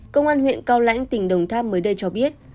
công an huyện cao lãnh tỉnh đồng tháp mới đây cho biết